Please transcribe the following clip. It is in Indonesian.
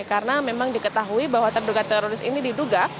karena memang diketahui bahwa terduga teroris ini diduga